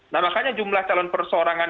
nah makanya jumlah calon perseorangan